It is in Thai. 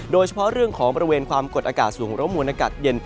โดยเฉพาะเรื่องของบริเวณความกดอากาศสูงหรือว่ามวลอากาศเย็น